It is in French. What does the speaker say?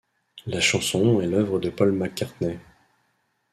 La chanson est l'œuvre de Paul McCartney.